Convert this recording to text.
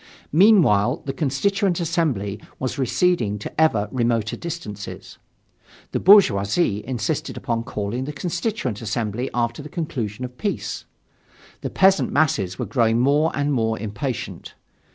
Meanwhile the Constituent Assembly was receding to ever remoter distances. The bourgeoisie insisted upon calling the Constituent Assembly after the conclusion of peace. The peasant masses were growing more and more impatient.